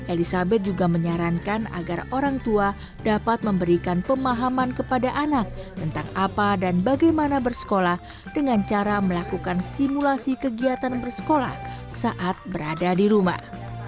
elizabeth juga menyarankan agar orang tua dapat memberikan pemahaman kepada anak tentang apa dan bagaimana bersekolah dengan cara melakukan simulasi kegiatan bersekolah saat berada di rumah